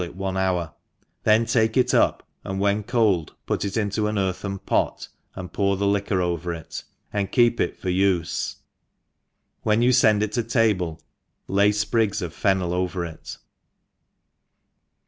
it 'one hour, then take it up, and when hoM, pift it into ah earthen pot, and pour the liquor oVer it^ ahd keep it for Ufe ; v^hen yoii fend it to table lay fprig^ bf fertiiel over it.